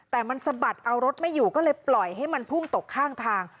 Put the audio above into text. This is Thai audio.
แต่มันสะบัดเอารถไม่อยู่ก็เลยปล่อยให้มันพุ่งตกข้างทาง